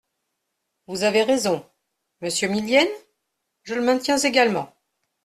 Vous avez raison ! Monsieur Millienne ? Je le maintiens également.